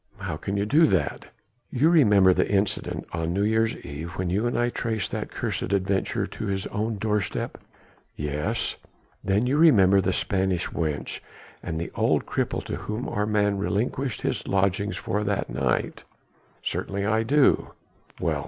"How can you do that?" "You remember the incident on New Year's Eve, when you and I traced that cursed adventurer to his own doorstep?" "Yes!" "Then you remember the Spanish wench and the old cripple to whom our man relinquished his lodgings on that night." "Certainly I do." "Well!